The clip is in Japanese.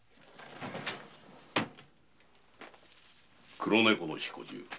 「黒猫の彦十」